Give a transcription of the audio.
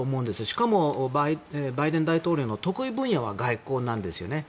しかもバイデン大統領の得意分野は外交なんですね。